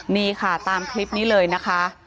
นี่ค่ะตามคลิปนี้เลยนะคะ